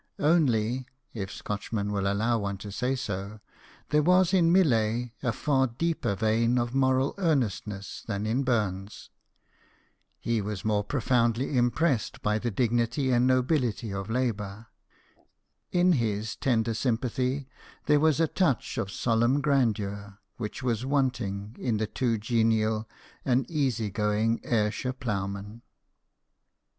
Only (if Scotch men will allow one to say so) there was in Millet a far deeper vein of moral earnestness than in Burns ; he was more profoundly im pressed by the dignity and nobility of labour ; in his tender sympathy there was a touch of solemn grandeur which was wanting in the too genial and easy going Ayrshire ploughman.